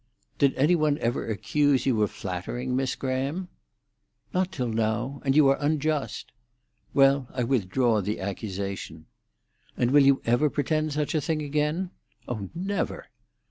"Did any one ever accuse you of flattering, Miss Graham?" "Not till now. And you are unjust." "Well, I withdraw the accusation." "And will you ever pretend such a thing again?" "Oh, never!"